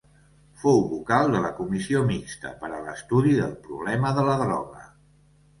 Fou vocal de la Comissió Mixta per a l'Estudi del Problema de la Droga.